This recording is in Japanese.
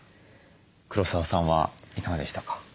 黒沢さんはいかがでしたか？